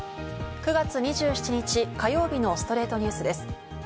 ９月２７日、火曜日の『ストレイトニュース』です。